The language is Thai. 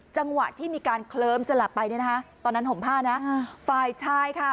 จังหวะที่มีการเคลิ้มสลับไปเนี่ยนะคะตอนนั้นห่มผ้านะฝ่ายชายค่ะ